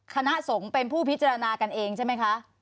คณะสงฆ์เป็นผู้พิจารณากันเองใช่ไหมคะ